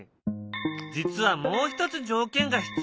実はもう一つ条件が必要なんだ。